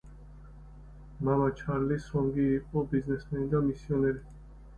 მამა, ჩარლი სონგი, იყო ბიზნესმენი და მისიონერი.